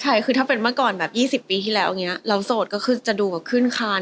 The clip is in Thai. ใช่คือถ้าเป็นเมื่อก่อนแบบ๒๐ปีที่แล้วอย่างนี้เราโสดก็คือจะดูแบบขึ้นคัน